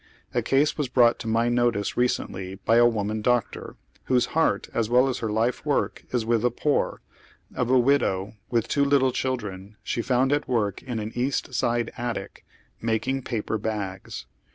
A case was brougiit to my notice I'ecently by a woTiian doctor, whose heart as well as her life work is with !he poor, of a widow with two little ciiildren she found at woi'k in an East Side attic, making paper bags.